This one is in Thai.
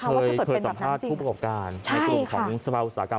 เคยสัมภาษณ์ผู้ประกอบการในกลุ่มของสภาอุตสาหกรรม